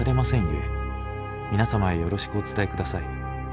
ゆえ皆様へよろしくお伝えください。